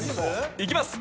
いきます。